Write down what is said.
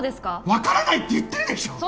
わからないって言ってるでしょう！